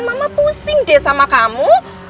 mama pusing deh sama kamu